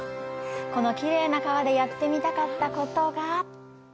このキレイな川でやってみたかったことが。